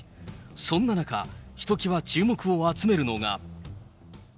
そんな中、ひときわ注目を集めるのが。